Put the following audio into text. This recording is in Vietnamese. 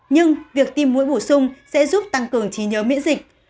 nhưng việc tim mũi bổ sung sẽ giúp tăng cường trí nhớ miễn dịch